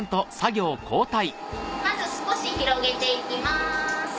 まず少し広げていきます。